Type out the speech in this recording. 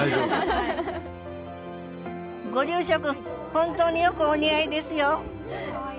本当によくお似合いですよ！